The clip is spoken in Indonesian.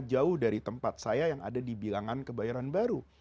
jauh dari tempat saya yang ada di bilangan kebayoran baru